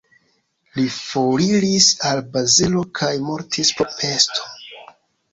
Li foriris al Bazelo kaj mortis pro pesto.